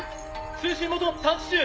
通信元探知中。